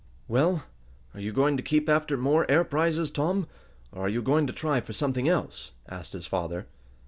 "Well, are you going to keep after more air prizes, Tom, or are you going to try for something else?" asked his father.